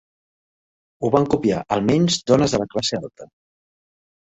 Ho van copiar almenys dones de la classe alta.